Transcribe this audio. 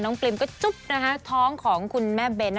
น้องปริมก็จุ๊บนะฮะท้องของคุณแม่เบน